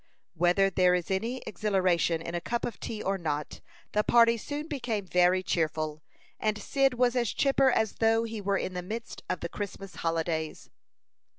Whether there is any exhilaration in a cup of tea or not, the party soon became very cheerful; and Cyd was as chipper as though he were in the midst of the Christmas holidays.